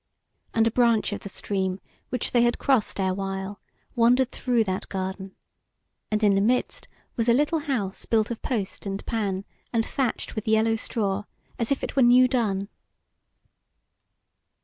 And a branch of the stream which they had crossed erewhile wandered through that garden; and in the midst was a little house built of post and pan, and thatched with yellow straw, as if it were new done.